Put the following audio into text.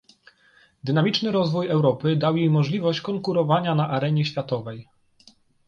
Dynamiczny rozwój Europy dał jej możliwość konkurowania na arenie światowej